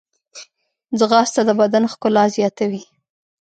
ځغاسته د بدن ښکلا زیاتوي